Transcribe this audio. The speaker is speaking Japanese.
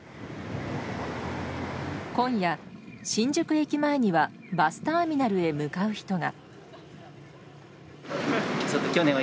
今夜、新宿駅前にはバスターミナルへ向かう人が。